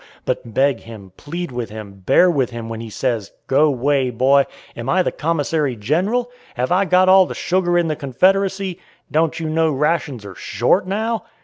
But beg him, plead with him, bear with him when he says, "Go way, boy! Am I the commissary general? Have I got all the sugar in the Confederacy? Don't you know rations are short now?"